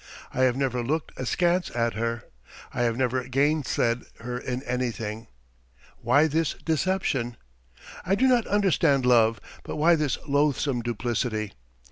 I have never looked askance at her. ... I have never gainsaid her in anything. Why this deception? I do not demand love, but why this loathsome duplicity?